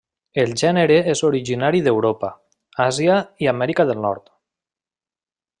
El gènere és originari d'Europa, Àsia i Amèrica del Nord.